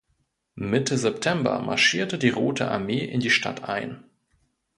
Mitte September marschierte die Rote Armee in die Stadt ein.